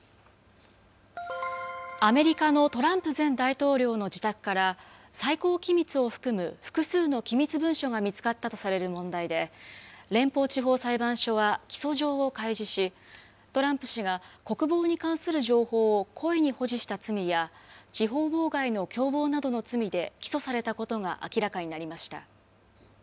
アメリカのトランプ前大統領の自宅から最高機密を含む複数の機密文書が見つかったとされる問題で、連邦地方裁判所は、起訴状を開示し、トランプ氏が国防に関する情報を故意に保持した罪や、司法妨害の共謀などの罪で起訴されたことが明らかになりました。